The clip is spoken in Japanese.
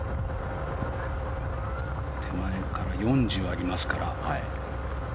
手前から４０ありますから。